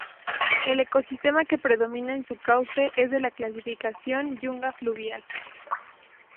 El ecosistema que predomina en su cauce es de la clasificación Yunga Fluvial.